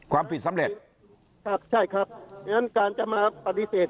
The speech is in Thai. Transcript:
ความผิดสำเร็จครับใช่ครับอย่างนั้นการจะมาปฏิเสธ